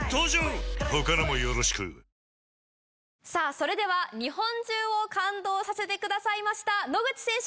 それでは日本中を感動させてくださいました。